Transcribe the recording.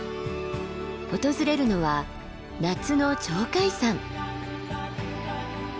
訪れるのは夏の鳥海山。